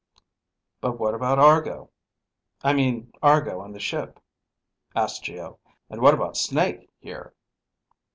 "But what about Argo I mean Argo on the ship?" asked Geo. "And what about Snake here?"